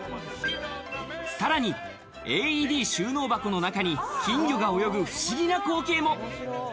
さらに、ＡＥＤ収納箱の中に金魚が泳ぐ不思議な光景も。